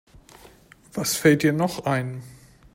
Was fällt dir noch ein?